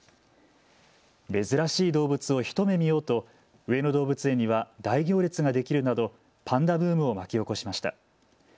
珍しい動物を一目見ようと上野動物園には大行列ができるなどパンダブームを巻き起こしました。